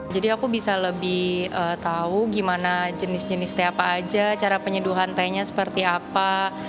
jadi aku bisa lebih tau gimana jenis jenis teh apa aja cara penyeduhan tehnya seperti apa